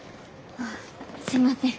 ああすいません。